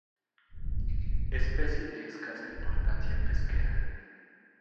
Especie de escasa importancia pesquera.